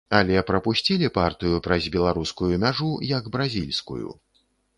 Але прапусцілі партыю праз беларускую мяжу, як бразільскую.